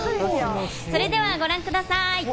それではご覧ください。